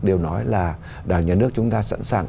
đều nói là đảng nhà nước chúng ta sẵn sàng